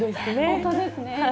本当ですね。